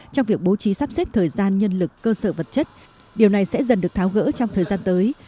trong việc bố trí sắp xếp thời gian nhân lực cơ sở vật chất điều này sẽ dần được tháo gỡ trong thời gian tới